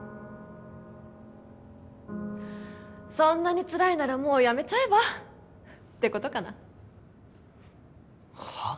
そんなにつらいならもうやめちゃえば？ってことかなはあ？